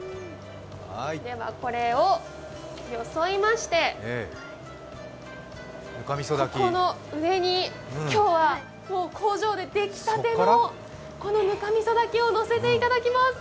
では、これをよそいましてこの上に、今日は工場で出来たてのぬかみそ炊きをのせていただきます。